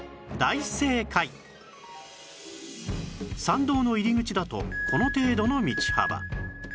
参道の入り口だとこの程度の道幅